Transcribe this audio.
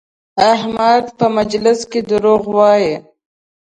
احمد په مجلس کې دروغ وایي؛